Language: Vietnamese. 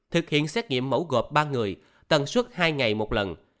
thực hiện xét nghiệm mẫu gộp ba người tần suất hai ngày một lần